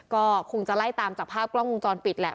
ก็คงจะไล่ตามจากภาพกล้องวงจรปิดแหละ